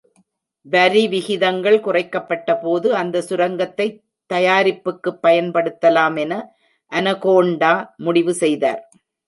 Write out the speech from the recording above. வரி விகிதங்கள் குறைக்கப்பட்டபோது, அந்த சுரங்கத்தைத் தயாரிப்புக்குப் பயன்படத்தலாம் என அனகோண்டா முடிவு செய்தார்.